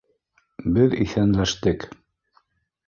Беҙ иҫәнләштек.